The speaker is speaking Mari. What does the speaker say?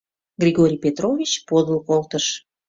Григорий Петрович подыл колтыш.